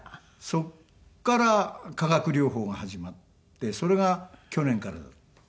そこから化学療法が始まってそれが去年からだったんですね。